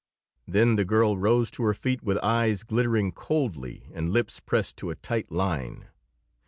Then the girl rose to her feet with eyes glittering coldly and lips pressed to a tight line.